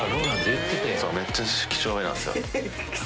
めっちゃ几帳面なんすよ。